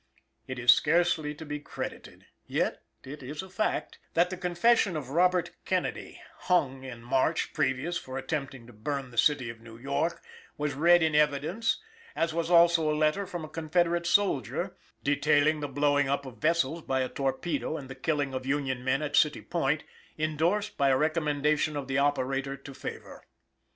It is scarcely to be credited, yet it is a fact, that the confession of Robert Kennedy, hung in March previous for attempting to burn the City of New York, was read in evidence; as was also a letter from a Confederate soldier, detailing the blowing up of vessels by a torpedo and the killing of Union men at City Point, indorsed by a recommendation of the operator to favor.